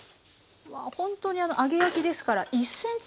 うわほんとにあの揚げ焼きですから１ｃｍ深さ。